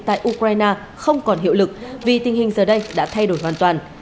tại ukraine không còn hiệu lực vì tình hình giờ đây đã thay đổi hoàn toàn